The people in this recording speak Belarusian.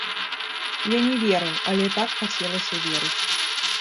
Я не верыў, але так хацелася верыць.